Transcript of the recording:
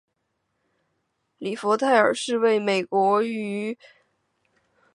里弗代尔是位于美国加利福尼亚州弗雷斯诺县的一个人口普查指定地区。